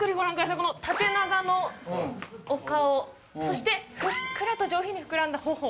この縦長のお顔そしてふっくらと上品に膨らんだ頬